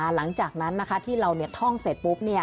หลังจากนั้นที่เราท่องเสร็จปุ๊บ